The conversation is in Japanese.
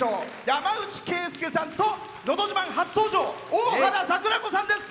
山内惠介さんと「のど自慢」初登場大原櫻子さんです。